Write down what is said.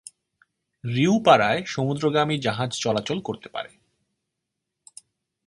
রিউ পারায় সমুদ্রগামী জাহাজ চলাচল করতে পারে।